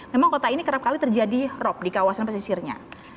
memang kota ini kerap kali terjadi rop di kawasan pesisirnya